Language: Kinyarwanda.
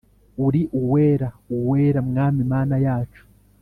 Uri Uwera Uwera ,Mwami Mana yacu